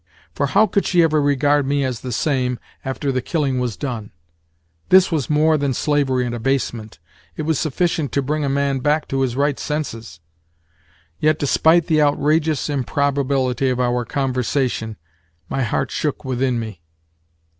For how could she ever regard me as the same after the killing was done? This was more than slavery and abasement; it was sufficient to bring a man back to his right senses. Yet, despite the outrageous improbability of our conversation, my heart shook within me.